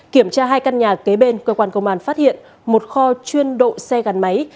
kiểm tra hai căn nhà kế bên cơ quan công an phát hiện một kho chuyên độ xe gắn máy